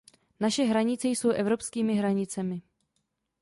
Naše hranice jsou evropskými hranicemi.